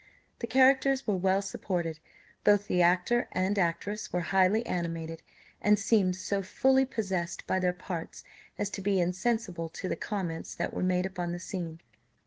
The characters were well supported; both the actor and actress were highly animated, and seemed so fully possessed by their parts as to be insensible to the comments that were made upon the scene.